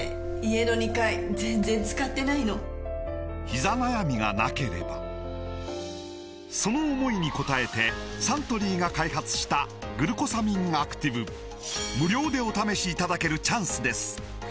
“ひざ悩み”がなければその思いに応えてサントリーが開発した「グルコサミンアクティブ」無料でお試しいただけるチャンスです